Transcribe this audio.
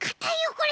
これ！